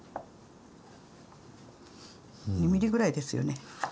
２ｍｍぐらいですよね。